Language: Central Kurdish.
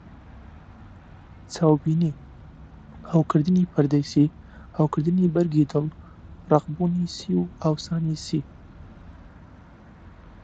چاوبینی: هەوکردنی پەردەی سی، هەوکردنی بەرگی دڵ، ڕەقبوونی سی و ئاوسانی سی.